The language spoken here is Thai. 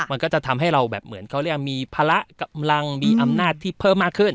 มันก็จะทำให้เราแบบเหมือนเขาเรียกมีภาระกำลังมีอำนาจที่เพิ่มมากขึ้น